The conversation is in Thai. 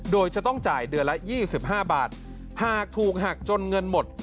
โดยจะต้องจ่ายเดือนละ๒๕บาทหากถูกหักจนเงินหมด